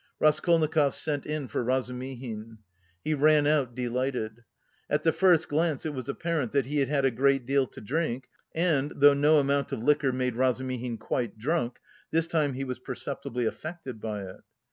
Raskolnikov sent in for Razumihin. He ran out delighted. At the first glance it was apparent that he had had a great deal to drink and, though no amount of liquor made Razumihin quite drunk, this time he was perceptibly affected by it.